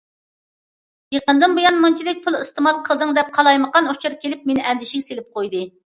يېقىندىن بۇيان مۇنچىلىك پۇل ئىستېمال قىلدىڭ دەپ، قالايمىقان ئۇچۇر كېلىپ، مېنى ئەندىشىگە سېلىپ قويدى.